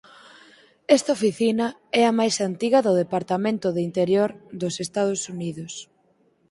Esta oficina é a máis antiga do Departamento de Interior dos Estados Unidos.